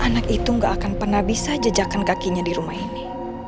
anak itu gak akan pernah bisa jejakan kakinya di rumah ini